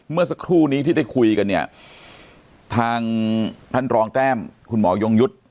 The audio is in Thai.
เมื่อสักครู่นี้ที่ได้คุยกันเนี่ยทางท่านรองแต้มคุณหมอยงยุทธ์